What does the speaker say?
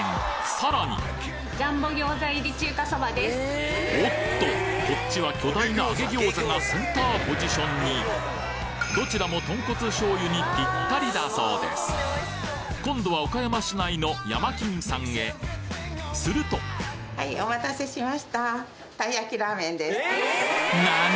さらにおっとこっちは巨大な揚げ餃子がセンターポジションにどちらも豚骨醤油にぴったりだそうです今度は岡山市内の山金さんへすると何？